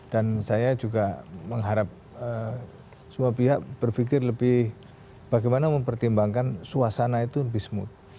dan saya juga mengharap semua pihak berpikir lebih bagaimana mempertimbangkan suasana itu lebih smooth